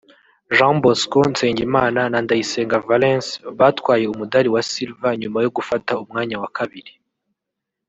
Jean Bosco Nsengimana na Ndayisenga Valens batwaye umudali wa Silver nyuma yo gufata umwanya wa kabiri